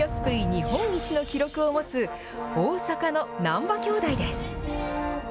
日本一の記録を持つ、大阪の難波兄弟です。